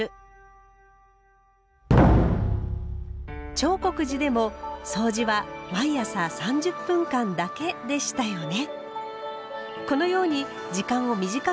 長谷寺でもそうじは毎朝３０分間だけでしたよね。